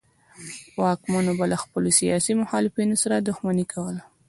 واکمنو به له خپلو سیاسي مخالفینو سره دښمني کوله.